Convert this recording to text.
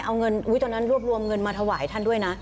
เอาเงินตอนนั้นรวบรวมเงินมาถวายท่านด้วยนะ